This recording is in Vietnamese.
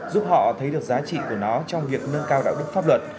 giúp họ thấy được giá trị của nó trong việc nâng cao đạo đức pháp luật